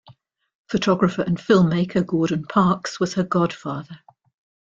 Photographer and film-maker Gordon Parks was her godfather.